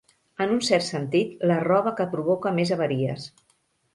En un cert sentit, la roba que provoca més avaries.